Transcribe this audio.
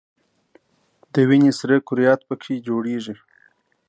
د وینې سره کرویات په ... کې جوړیږي.